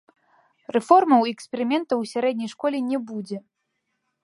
Рэформаў і эксперыментаў у сярэдняй школе не будзе.